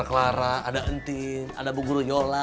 clara ada entin ada bu guru yola